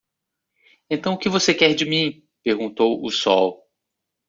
"Então o que você quer de mim?", Perguntou o sol.